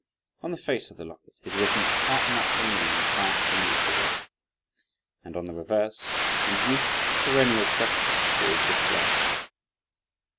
On the face of the locket is written: "Part not from me and cast me not away;" And on the reverse: "And youth, perennial freshness will display!"